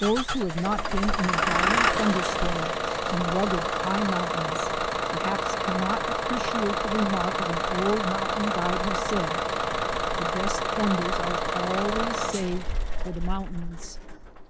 Those who have not been in a violent thunder storm in rugged, high mountains perhaps cannot appreciate the remark of an old mountain guide who said, "The best thunders are always saved for the mountains."